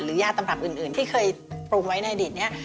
ยาตำรับอื่นที่เคยปรุงไว้ในอดีตนี้